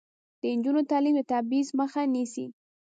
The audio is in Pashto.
د نجونو تعلیم د تبعیض مخه نیسي.